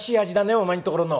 お前んところの。